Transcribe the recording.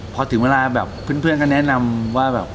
ก็แนะนำว่าแบบควรจะมีสองคนน่ะอะไรอย่างเงี้ยครับผม